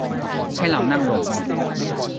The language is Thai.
ให้เรานั่งลง